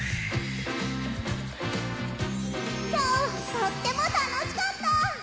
きょうはとってもたのしかった！